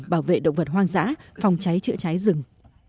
bảo vệ động vật hoang dã phòng cháy chữa cháy rừng